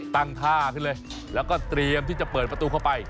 ตั้งท่าขึ้นเลยแล้วก็เตรียมที่จะเปิดประตูเข้าไป